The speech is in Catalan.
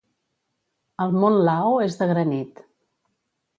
El mont Lao és de granit.